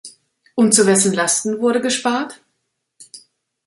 Und zu wessen Lasten wurde gespart?